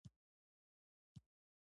د زدکړې مینه د ناهیلۍ اوبو لاندې شوه